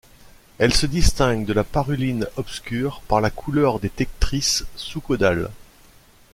Elle se distingue de la Paruline obscure par la couleur des tectrices sous-caudales.